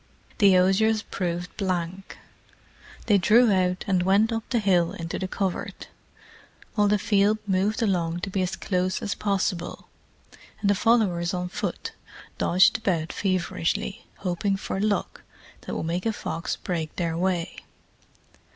The osiers proved blank: they drew out, and went up the hill into the covert, while the field moved along to be as close as possible, and the followers on foot dodged about feverishly, hoping for luck that would make a fox break their way.